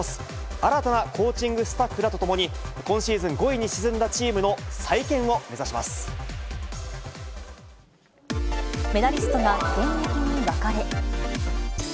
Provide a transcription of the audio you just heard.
新たなコーチングスタッフらと共に、今シーズン５位に沈んだチーメダリストが現役に別れ。